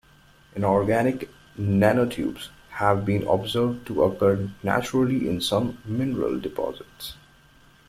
Inorganic nanotubes have been observed to occur naturally in some mineral deposits.